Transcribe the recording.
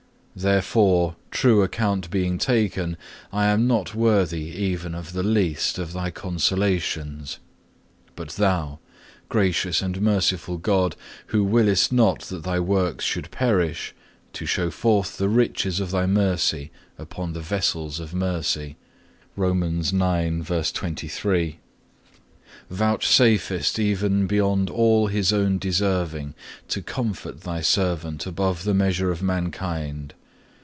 Therefore, true account being taken, I am not worthy even of the least of Thy consolations. But Thou, gracious and merciful God, who willest not that Thy works should perish, to show forth the riches of Thy mercy upon the vessels of mercy,(1) vouchsafest even beyond all his own deserving, to comfort Thy servant above the measure of mankind.